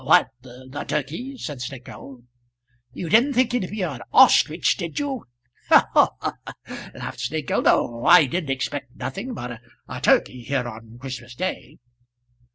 "What, the turkey?" said Snengkeld. "You didn't think it'd be a ostrich, did you?" "Ha, ha, ha!" laughed Snengkeld. "No, I didn't expect nothing but a turkey here on Christmas day."